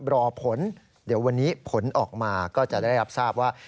รอผลเดี๋ยววันนี้ผลออกมาก็จะได้รับทราบว่า